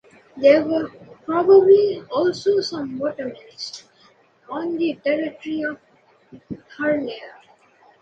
There were probably also some watermills on the territory of Herlaer.